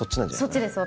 そっちです